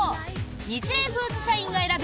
ニチレイフーズ社員が選ぶ